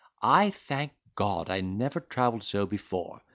I thank God I never travelled so before.